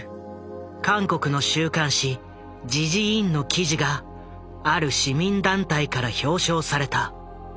韓国の週刊誌「時事ＩＮ」の記事がある市民団体から表彰された。